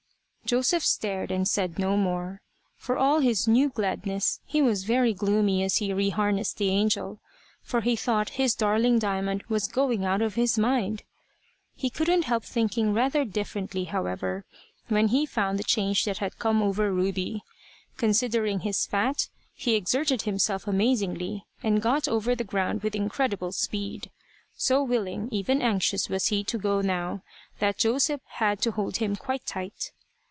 Joseph stared and said no more. For all his new gladness, he was very gloomy as he re harnessed the angel, for he thought his darling Diamond was going out of his mind. He could not help thinking rather differently, however, when he found the change that had come over Ruby. Considering his fat, he exerted himself amazingly, and got over the ground with incredible speed. So willing, even anxious, was he to go now, that Joseph had to hold him quite tight.